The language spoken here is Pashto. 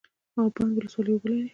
اب بند ولسوالۍ اوبه لري؟